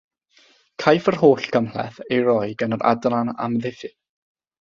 Caiff yr holl gymhleth ei roi gan yr Adran Amddiffyn.